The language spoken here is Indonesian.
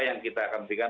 yang kita akan berikan